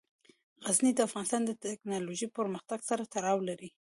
غزني د افغانستان د تکنالوژۍ پرمختګ سره تړاو لري.